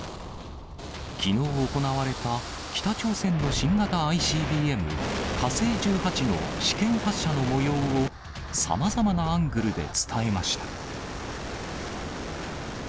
きのう行われた北朝鮮の新型ＩＣＢＭ、火星１８の試験発射のもようを、さまざまなアングルで伝えました。